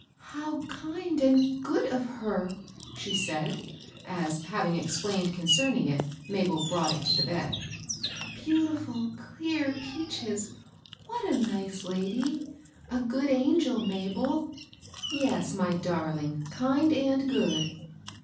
" How kind and good of her I " she said, as, having explained concerning it, Mabel brought it to the bed. ^' Beautifril, clear peaches ! What a nice lady !— a good angel, Mabel 1 "Yes, my darling, kind and good."